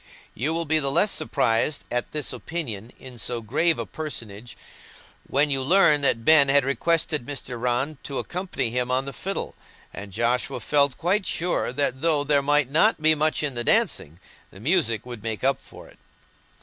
You will be the less surprised at this opinion in so grave a personage when you learn that Ben had requested Mr. Rann to accompany him on the fiddle, and Joshua felt quite sure that though there might not be much in the dancing, the music would make up for it.